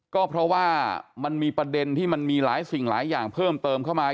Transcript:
ก็เพราะว่ามันมีประเด็นที่มันมีหลายสิ่งหลายอย่างเพิ่มเติมเข้ามา